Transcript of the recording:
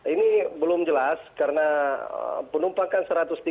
ini belum jelas karena penumpang kan satu ratus tiga puluh